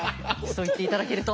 そう言って頂けると。